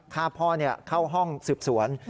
ฆ่าพ่อเข้าห้องสืบสวน